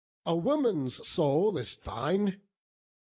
a woman's soul is thine!